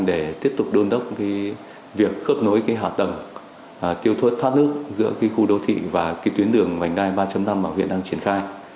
để tiếp tục đôn đốc cái việc khớp nối cái hạ tầng tiêu thuất thát nước giữa cái khu đô thị và cái tuyến đường mảnh đai ba năm mà huyện đang triển khai